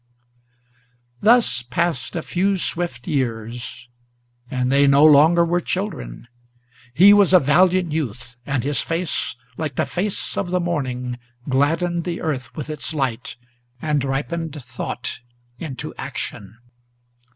Thus passed a few swift years, and they no longer were children. He was a valiant youth, and his face, like the face of the morning, Gladdened the earth with its light, and ripened through into action.